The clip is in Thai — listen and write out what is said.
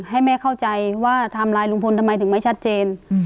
ให้แม่เข้าใจว่าไทม์ไลน์ลุงพลทำไมถึงไม่ชัดเจน